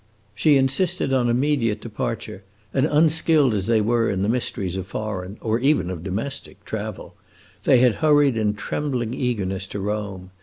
She insisted on immediate departure; and, unskilled as they were in the mysteries of foreign (or even of domestic) travel, they had hurried in trembling eagerness to Rome.